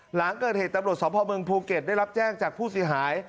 หลังเกิดเหตุตำรวจสมภาพเมืองภูเก็ตได้รับแจ้งจากผู้เสียหาย